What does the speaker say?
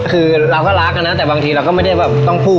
คือเราก็รักนะแต่บางทีเราก็ไม่ได้แบบต้องพูด